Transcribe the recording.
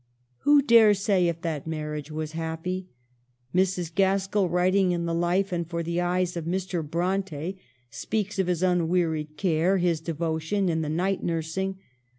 Who dare say if that marriage was happy ? Mrs. Gaskell, writing in the life and for the eyes of Mr. Bronte, speaks of his unwearied care, his devotion in the night nursing.